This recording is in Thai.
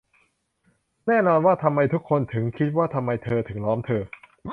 แน่นอนว่าทำไมทุกคนถึงคิดว่าทำไมเธอถึงล้อมเธอ